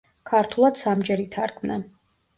ქართულად სამჯერ ითარგმნა.